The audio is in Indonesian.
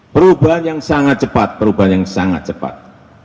perubahan yang sangat cepat perubahan yang sangat cepat